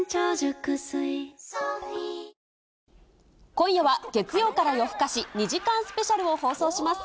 今夜は月曜から夜ふかし２時間スペシャルを放送します。